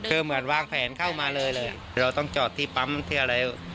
คือเหมือนวางแผนเข้ามาเลยเลยเราต้องจอดที่ปั๊มที่อะไร